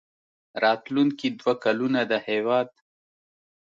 راتلونکي دوه کلونه د هېواد